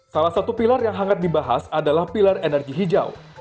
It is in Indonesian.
salah satu pilar yang hangat dibahas adalah pilar energi hijau